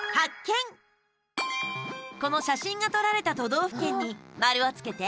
この写真が撮られた都道府県に丸をつけて。